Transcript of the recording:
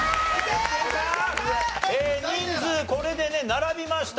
人数これでね並びましたよ。